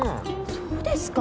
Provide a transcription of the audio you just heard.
そうですか？